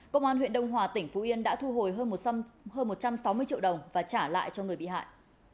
công an huyện đông hòa tỉnh phú yên đã thu hồi hơn một trăm sáu mươi triệu đồng và trả lại cho người bị hại